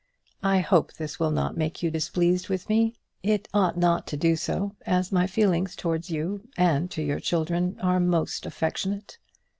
I hope this will not make you displeased with me. It ought not to do so, as my feelings towards you and to your children are most affectionate.